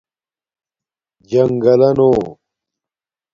جنگلہ نو